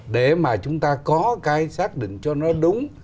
để mà chúng ta có cái xác định cho nó đúng